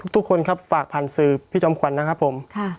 ทุกคนครับฝากผ่านสื่อพี่จอมขวัญนะครับผม